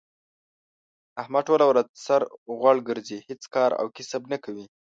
احمد ټوله ورځ سر غوړ ګرځی، هېڅ کار او کسب نه کوي.